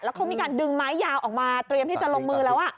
เขามีการดึงไม้ยาวออกมาเตรียมที่จะลงมือแล้ว